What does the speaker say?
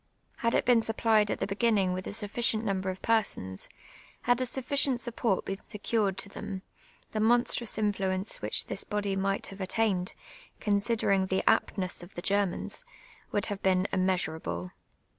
Had it been supplied at the beginning with a suffi cient number of persons, had a sufficient support been secured to them, the monstrous intiuence which this body might have attained, considering the aptness of the Germans, would have seen immeasm able.